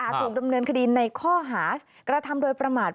ถูกดำเนินคดีในข้อหากระทำโดยประมาท